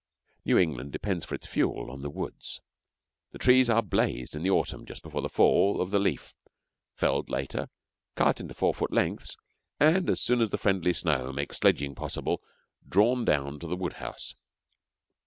New England depends for its fuel on the woods. The trees are 'blazed' in the autumn just before the fall of the leaf, felled later, cut into four foot lengths, and, as soon as the friendly snow makes sledging possible, drawn down to the woodhouse.